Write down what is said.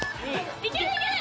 いけるいける！